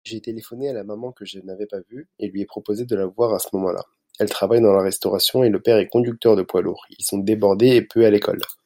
j'ai téléphoné à la maman que je n'avais pas vu, et lui ai proposé de la voir à ce moment-là, elle travaille dans la restauration et le père est conducteur de poids-lourds, ils sont débordés et peu à l'école.